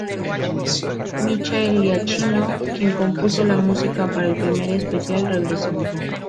Michael Giacchino, quien compuso la música para el primer especial, regresó.